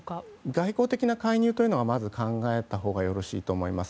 外交的な介入はまず考えたほうがよろしいと思います。